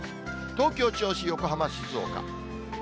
東京、銚子、横浜、静岡。